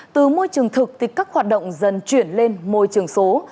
từ môi trường thực thì các hoạt động dần chuyển lên môi trường số